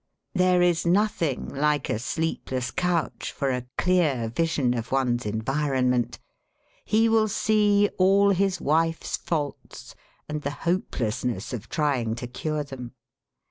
There is nothing like a sleepless couch for a clear vision of one's environment. He will see all his wife's faults and the hopelessness of trying to cure them.